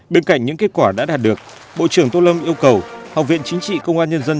bên cạnh những kết quả đã đạt được bộ trưởng tô lâm yêu cầu học viện chính trị công an nhân dân